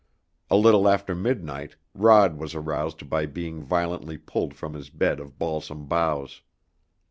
A little after midnight Rod was aroused by being violently pulled from his bed of balsam boughs.